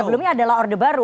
sebelumnya adalah orde baru